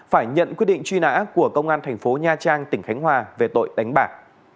phải nhận quyết định truy nã của công an thành phố nha trang tỉnh khánh hòa về tội đánh bạc